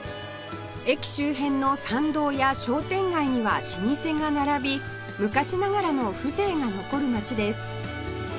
駅周辺の参道や商店街には老舗が並び昔ながらの風情が残る街です